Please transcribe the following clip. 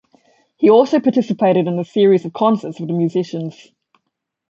He also participated in a series of concerts with the musicians.